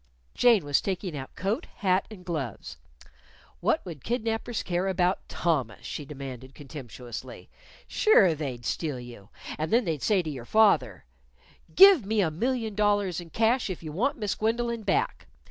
Jane was taking out coat, hat and gloves. "What would kidnapers care about Thomas?" she demanded contemptuously. "Sure, they'd steal you, and then they'd say to your father, 'Give! me a million dollars in cash if you want Miss Gwendolyn back.'